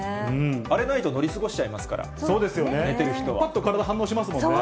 あれないと乗り過ごしちゃいぱっと体反応しますよね。